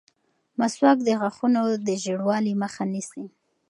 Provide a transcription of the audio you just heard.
مسواک د غاښونو د ژېړوالي مخه نیسي.